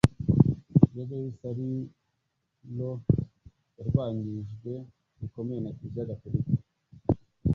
Gregory Sarilo yarwanyijwe bikomeye na Kiliziya Gatolika